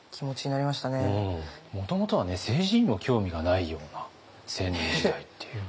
もともとはね政治にも興味がないような青年時代っていう。